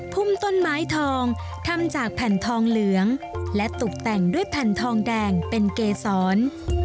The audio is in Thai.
พุ่มต้นไม้ทองทำจากแผ่นทองเหลืองและตกแต่งด้วยแผ่นทองแดงเป็นเกษร